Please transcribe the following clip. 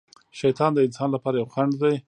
شیطان د انسان لپاره یو خڼډ دی.